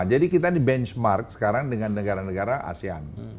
jadi kita di benchmark sekarang dengan negara negara asean